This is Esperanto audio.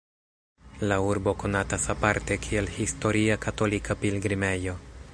La urbo konatas aparte kiel historia katolika pilgrimejo.